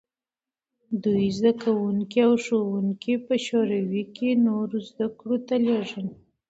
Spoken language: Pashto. دوی زدکوونکي او ښوونکي په شوروي کې نورو زدکړو ته لېږل.